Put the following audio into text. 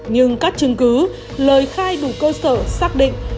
nhưng các chứng cứ lời khai đủ cơ sở xác định